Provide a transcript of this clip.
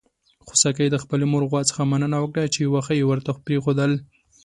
خوسکي د خپلې مور غوا څخه مننه وکړه چې واښه يې ورته پرېښودل.